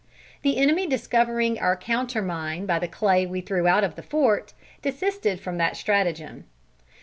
The enemy discovering our counter mine by the clay we threw out of the fort, desisted from that stratagem.